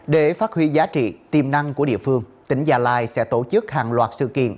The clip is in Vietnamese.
để phát huy giá trị tiềm năng của địa phương tỉnh gia lai sẽ tổ chức hàng loạt sự kiện